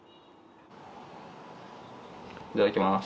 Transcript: いただきます。